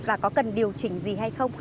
và có cần điều chỉnh gì hay không